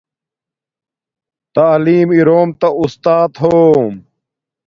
تعلیم اروم تا استات ہوم